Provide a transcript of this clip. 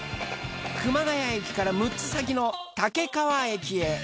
熊谷駅から６つ先の武川駅へ。